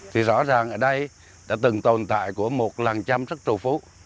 thì rõ ràng ở đây đã từng tồn tại của một làng trăm rất trù phú